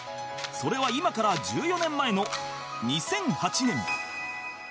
それは今から１４年前の２００８年